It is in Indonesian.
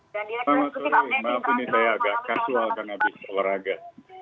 selamat sore maaf ini saya agak kasual karena bisa beragak